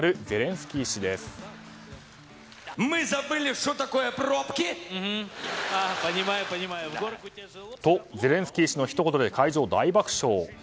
ゼレンスキー氏のひと言で会場、大爆笑。